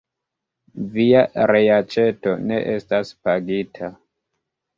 Via reaĉeto ne estas pagita!